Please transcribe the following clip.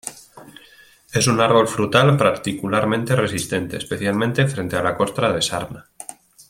Es un árbol frutal particularmente resistente, especialmente frente a la costra de sarna.